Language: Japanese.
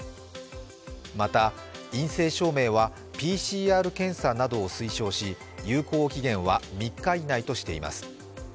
また、陰性証明はＰＣＲ検査などを推奨し有効期限は３日以内としています。